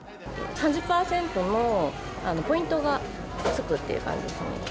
３０％のポイントがつくっていう感じですね。